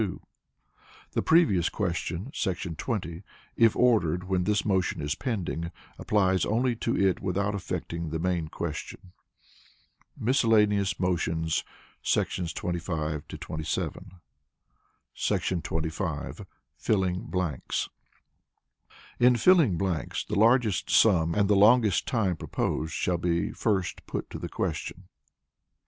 The Previous Question [§ 20], if ordered when this motion is pending, applies only to it without affecting the main question. Miscellaneous Motions. [§§ 25 27.] 25. Filling Blanks. In filling blanks the largest sum and the longest time proposed shall be first put to the question.